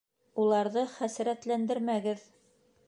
Уларҙы хәсрәтләндермәгеҙ.